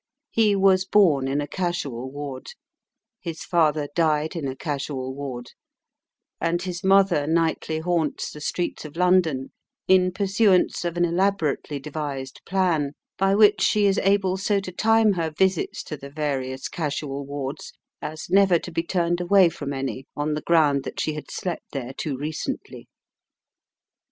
He was born in a casual ward, his father died in a casual ward, and his mother nightly haunts the streets of London in pursuance of an elaborately devised plan, by which she is able so to time her visits to the various casual wards as never to be turned away from any on the ground that she had slept there too recently.